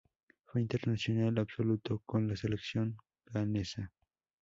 Fue internacional absoluto con la selección ghanesa.